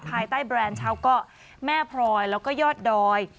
ภายใต้แบรนด์ชาวเกาะแม่พลอยแล้วก็ยอดดอย